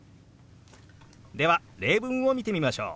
では例文を見てみましょう。